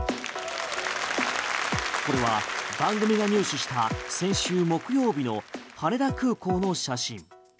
これは番組が入手した先週木曜日の羽田空港の写真。